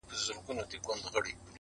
بيګاه مې اوليدۀ ژوندون د انتظار د دوران